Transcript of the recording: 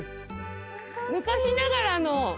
昔ながらの。